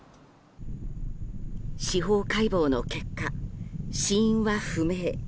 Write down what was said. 司法解剖の結果、死因は不明。